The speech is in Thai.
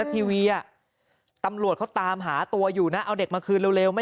ทีวีอ่ะตำรวจเขาตามหาตัวอยู่นะเอาเด็กมาคืนเร็วไม่